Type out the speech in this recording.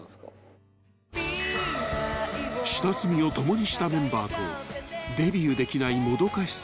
［下積みを共にしたメンバーとデビューできないもどかしさ］